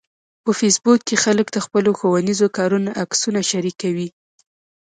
په فېسبوک کې خلک د خپلو ښوونیزو کارونو عکسونه شریکوي